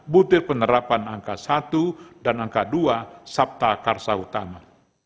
butir penerapan angka satu dan angka dua sabta karsa utama